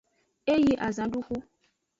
E yi azanduxu.